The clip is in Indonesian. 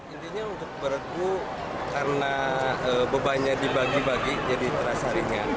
intinya untuk berhutu karena bebannya dibagi bagi jadi teras harinya